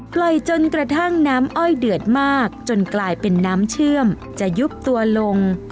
จนกระทั่งน้ำอ้อยเดือดมากจนกลายเป็นน้ำเชื่อมจะยุบตัวลง